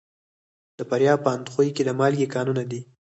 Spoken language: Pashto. د فاریاب په اندخوی کې د مالګې کانونه دي.